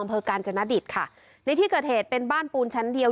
การจนดิตค่ะในที่เกิดเหตุเป็นบ้านปูนชั้นเดียว